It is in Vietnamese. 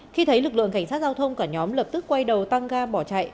khi thấy lực lượng cảnh sát giao thông cả nhóm lập tức quay đầu tăng ga bỏ chạy